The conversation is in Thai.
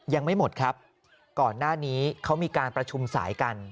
ยังไม่หมดครับก่อนหน้านี้เขามีการประชุมสายกัน